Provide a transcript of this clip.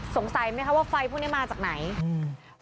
สงสัยไหมคะว่าไฟพวกเนี้ยมาจากไหนอืม